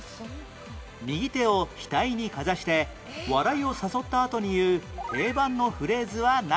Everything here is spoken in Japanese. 右手を額にかざして笑いを誘ったあとに言う定番のフレーズは何？